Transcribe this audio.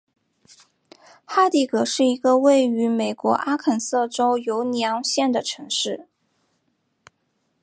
哈蒂格是一个位于美国阿肯色州犹尼昂县的城市。